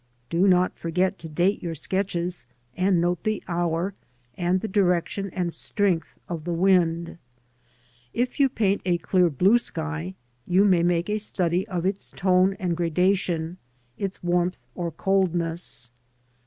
Do not forget to date your sketches and note the hour, and the direction and strength of the wind. If you paint a clear blue sky, you may make a study of its tone and gradation, its warmth or coldness.